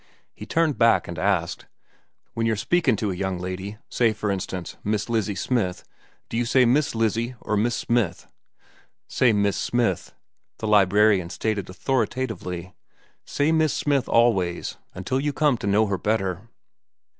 He turned back and asked: "When you're speakin' to a young lady—say, for instance, Miss Lizzie Smith—do you say 'Miss Lizzie'? or 'Miss Smith'?" "Say 'Miss Smith,'" the librarian stated authoritatively. "Say 'Miss Smith' always—until you come to know her better."